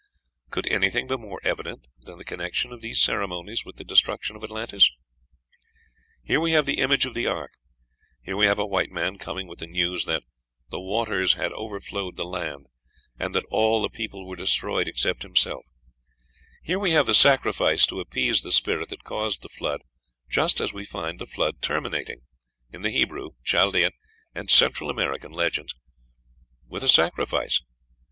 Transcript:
Could anything be more evident than the connection of these ceremonies with the destruction of Atlantis? Here we have the image of the ark; here we have a white man coming with the news that "the waters had overflowed the land," and that all the people were destroyed except himself; here we have the sacrifice to appease the spirit that caused the Flood, just as we find the Flood terminating, in the Hebrew, Chaldean, and Central American legends, with a sacrifice.